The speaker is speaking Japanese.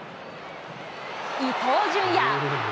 伊東純也。